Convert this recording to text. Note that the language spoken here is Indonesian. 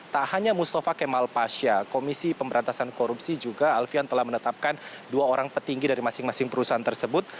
tak hanya mustafa kemal pasha komisi pemberantasan korupsi juga alfian telah menetapkan dua orang petinggi dari masing masing perusahaan tersebut